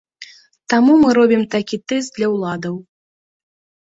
Таму мы робім такі тэст для ўладаў.